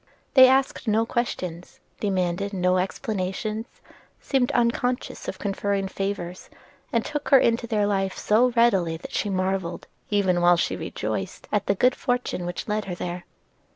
They asked no questions, demanded no explanations, seemed unconscious of conferring favors, and took her into their life so readily that she marvelled, even while she rejoiced, at the good fortune which led her there.